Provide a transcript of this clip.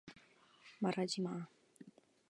말하지 마.